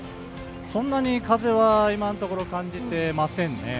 そんなに風は今のところ感じていません。